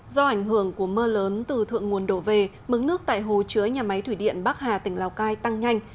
do ảnh hưởng của mưa lớn từ thượng nguồn đổ về mức nước tại hồ chứa nhà máy thủy điện bắc hà tỉnh lào cai tăng nhanh